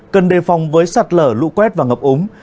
cần đề phòng với sạt lở lũ quét và ngập úng